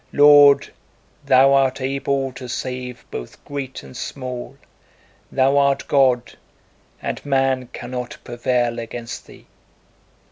Lord, Thou art able to save both great and small; Thou art God, and man cannot prevail against Thee!